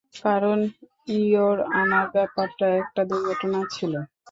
কারণ, your honour, ব্যাপারটা একটা দুর্ঘটনা ছিল।